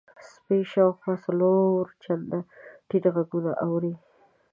سپی شاوخوا څلور چنده ټیټ غږونه اوري.